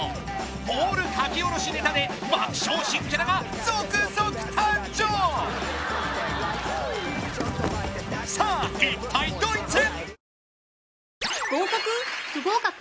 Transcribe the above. オール描き下ろしネタで爆笑新キャラが続々誕生さあ一体どいつ？